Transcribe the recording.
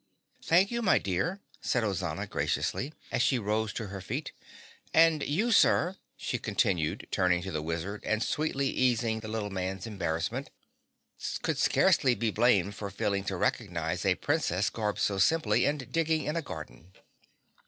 "Thank you, my dear," said Ozana graciously, as she rose to her feet. "And you, Sir," she continued, turning to the Wizard and sweetly easing the little man's embarrassment, "could scarcely be blamed for failing to recognize a princess garbed so simply and digging in a garden."